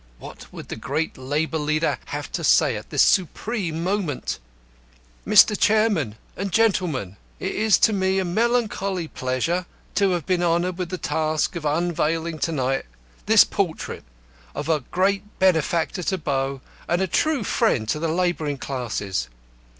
What would the great labour leader have to say at this supreme moment? "Mr. Chairman and gentlemen. It is to me a melancholy pleasure to have been honoured with the task of unveiling to night this portrait of a great benefactor to Bow and a true friend to the labouring classes.